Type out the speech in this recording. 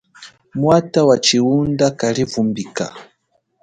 Mwata wachihunda kalivumbika.